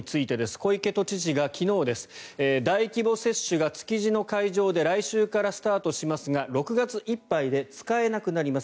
小池知事が昨日大規模接種が築地の会場で来週からスタートしますが６月いっぱいで使えなくなります。